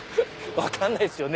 分かんないですよね